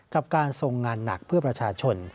กับการทรงงานหนักเพื่อประชาชน